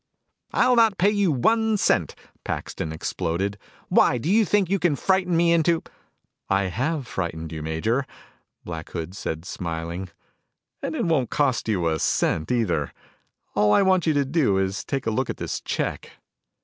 "I'll not pay you one cent!" Paxton exploded. "Why, do you think you can frighten me into " "I have frightened you, Major," Black Hood said, smiling. "And it won't cost you a cent, either. All I want you to do is take a look at this check."